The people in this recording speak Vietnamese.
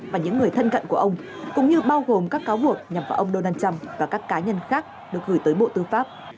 và những người thân cận của ông cũng như bao gồm các cáo buộc nhằm vào ông donald trump và các cá nhân khác được gửi tới bộ tư pháp